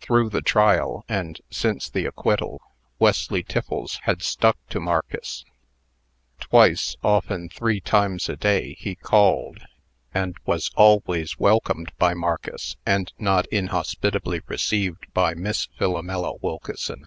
Through the trial, and since the acquittal, Wesley Tiffles had stuck to Marcus. Twice, often three times a day, he called, and was always welcomed by Marcus, and not inhospitably received by Miss Philomela Wilkeson.